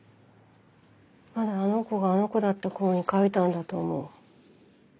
まだあの子があの子だった頃に書いたんだと思う。